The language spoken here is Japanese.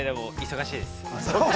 忙しいです。